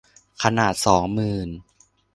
ขนาดสองหมื่น